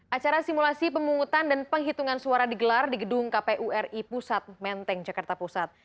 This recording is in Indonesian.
acara simulasi pemungutan dan penghitungan suara digelar di gedung kpu ri pusat menteng jakarta pusat